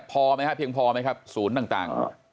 พอหรือพยพ่อไหมครับศูนย์ต่าง